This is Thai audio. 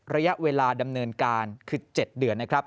ระยะเวลาดำเนินการคือ๗เดือนนะครับ